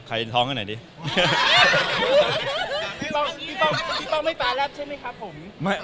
ใครท้องกันหน่อยดิ